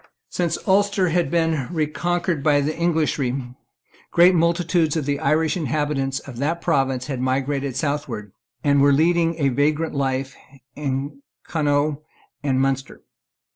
Since Ulster had been reconquered by the Englishry, great multitudes of the Irish inhabitants of that province had migrated southward, and were now leading a vagrant life in Connaught and Munster.